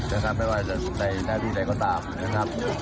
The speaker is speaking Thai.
จะทำได้ว่าในหน้าที่ไหนก็ตามนะครับ